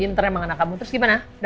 ginter memang anak kamu terus gimana